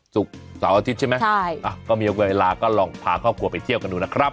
ศุกร์เสาร์อาทิตย์ใช่ไหมใช่อ่ะก็มีเวลาก็ลองพาครอบครัวไปเที่ยวกันดูนะครับ